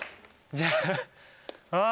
じゃああぁ